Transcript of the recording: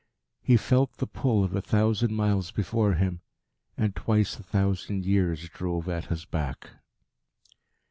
He felt the pull of a thousand miles before him; and twice a thousand years drove at his back.